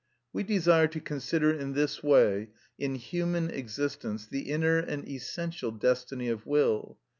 We desire to consider in this way, in human existence, the inner and essential destiny of will.